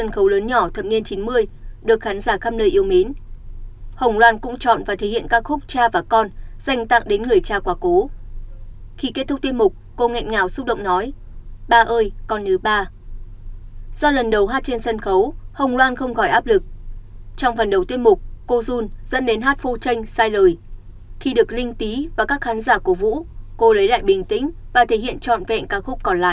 khi được linh tý và các khán giả của vũ cô lấy lại bình tĩnh và thể hiện trọn vẹn ca khúc còn lại